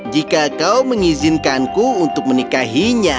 jika kau mengizinkanku untuk menikahinya